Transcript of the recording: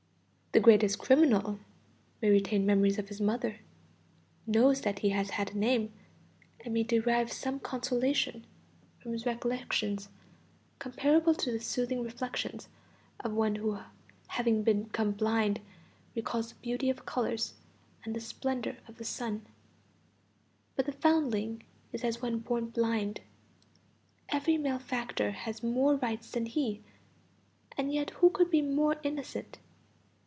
The greatest criminal may retain memories of his mother, knows that he has had a name, and may derive some consolation from his recollections, comparable to the soothing reflections of one who having become blind recalls the beauty of colors and the splendor of the sun; but the foundling is as one born blind. Every malefactor has more rights than he; and yet who could be more innocent?